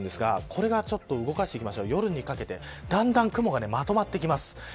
これが夜にかけてだんだん雲がまとまってきます。